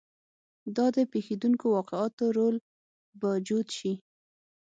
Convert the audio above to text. دا د پېښېدونکو واقعاتو رول به جوت شي.